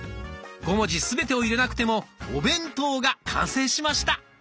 ５文字すべてを入れなくても「お弁当」が完成しました。